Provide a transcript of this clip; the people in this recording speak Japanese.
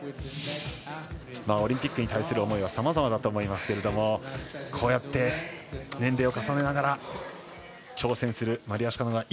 オリンピックに対する思いはさまざまだと思いますけどこうやって、年齢を重ねながら挑戦するマリア・シュカノワ。